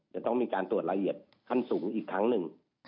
จะต้องมีการตรวจละเอียดขั้นสูงอีกครั้งหนึ่ง